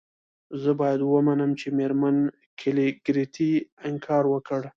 زه باید ومنم چې میرمن کلیګرتي انکار وکړ